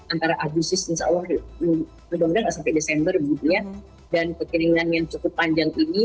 antara abusis insya allah mudah mudahan nggak sampai desember gitu ya dan kekeringan yang cukup panjang ini